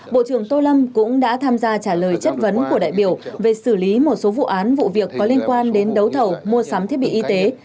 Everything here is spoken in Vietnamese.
bộ trưởng tô lâm cũng đã tham gia trả lời chất vấn của đại biểu về xử lý một số vụ án vụ việc có liên quan đến đấu thầu mua sắm thiết bị y tế